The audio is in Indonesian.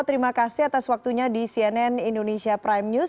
terima kasih atas waktunya di cnn indonesia prime news